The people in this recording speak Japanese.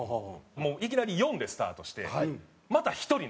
もういきなり４でスタートしてまた１人抜けたんです。